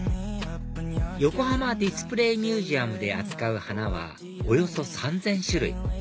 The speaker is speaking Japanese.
横浜ディスプレイミュージアムで扱う花はおよそ３０００種類